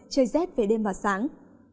trời rét về đêm vào sáng